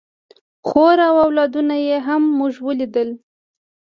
خور او اولادونه یې هم موږ ولیدل.